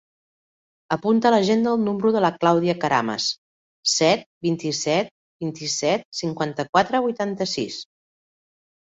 Apunta a l'agenda el número de la Clàudia Carames: set, vint-i-set, vint-i-set, cinquanta-quatre, vuitanta-sis.